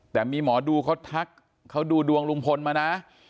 แต่มีหมอดูเขาทักเขาดูดวงลุงพลมานะ